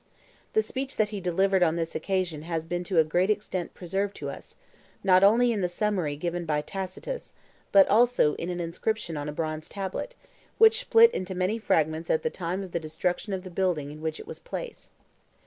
The speech that he delivered on this occasion has been to a great extent preserved to us, not only in the summary given by Tacitus, but also in an inscription on a bronze tablet, which split into many fragments at the time of the destruction of the building in which it was placed.